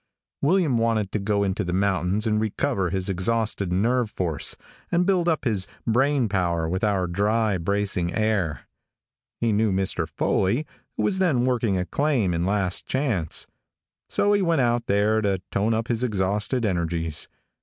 William wanted to go into the mountains and recover his exhausted nerve force, and build up his brain power with our dry, bracing air. He knew Mr. Foley, who was then working a claim in Last Chance, so he went out there to tone up his exhausted energies.